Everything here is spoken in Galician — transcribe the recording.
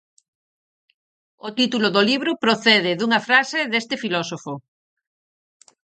O título do libro procede dunha frase deste filósofo.